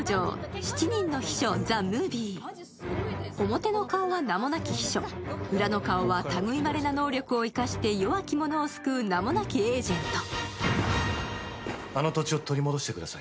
表の顔は名もなき秘書、裏の顔は類まれな能力を生かして弱き者を救う名もなきエージェント。